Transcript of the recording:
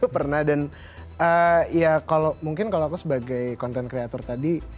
pernah dan ya mungkin kalau aku sebagai konten kreator tadi